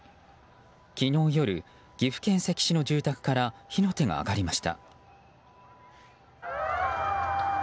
昨日夜、岐阜県関市の住宅から火の手が上がりました。